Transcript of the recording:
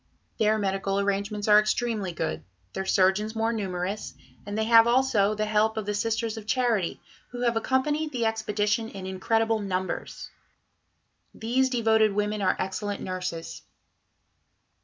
Their medical arrangements are extremely good, their surgeons more numerous, and they have also the help of the Sisters of Charity, who have accompanied the expedition in incredible numbers. These devoted women are excellent nurses."